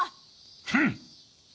フン！